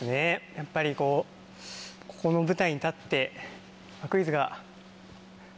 やっぱりここの舞台に立ってクイズが。